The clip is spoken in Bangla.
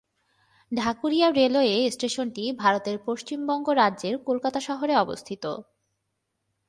ঢাকুরিয়া রেলওয়ে স্টেশনটি ভারতের পশ্চিমবঙ্গ রাজ্যের কলকাতা শহরে অবস্থিত।